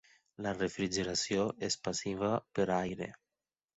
La refrigeració és passiva per aire.